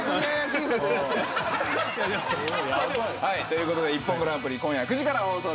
ということで『ＩＰＰＯＮグランプリ』今夜９時から放送です。